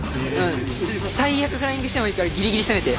最悪フライングしてもいいからギリギリ攻めて。